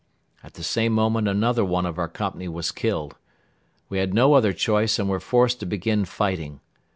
At the same moment another one of our company was killed. We had no other choice and were forced to begin fighting.